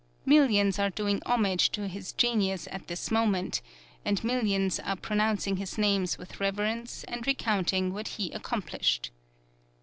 "Millions are doing homage to his genius at this moment, and millions are pronouncing his name with reverence and recounting what he accomplished.